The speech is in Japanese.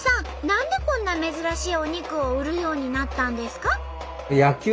何でこんな珍しいお肉を売るようになったんですか？